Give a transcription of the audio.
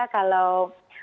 mereka sudah tahu sebenarnya